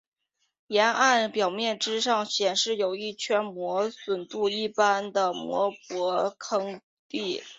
熔岩表面之上显示有一圈磨损度一般的细薄坑壁。